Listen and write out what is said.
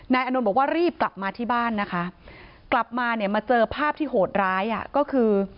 อานนท์บอกว่ารีบกลับมาที่บ้านนะคะกลับมาเนี่ยมาเจอภาพที่โหดร้ายอ่ะก็คือ